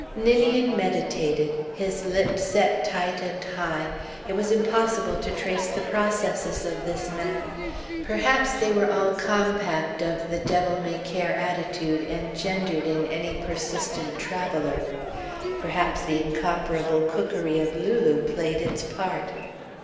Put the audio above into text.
Ninian meditated, his lips set tight and high. It is impossible to trace the processes of this man. Perhaps they were all compact of the devil may care attitude engendered in any persistent traveller. Perhaps the incomparable cookery of Lulu played its part.